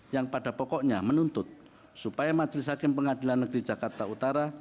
yang pada pokoknya menuntut supaya majelis hakim pengadilan negeri jakarta utara